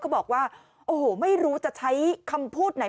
บอกว่าโอ้โหไม่รู้จะใช้คำพูดไหน